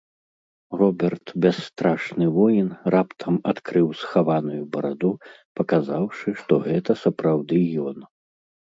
Роберт, бясстрашны воін, раптам адкрыў схаваную бараду, паказаўшы, што гэта сапраўды ён.